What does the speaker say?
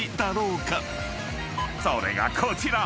［それがこちら！］